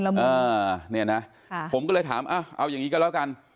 อ่าเนี่ยนะผมก็เลยถามเอาอย่างนี้ก็แล้วกัน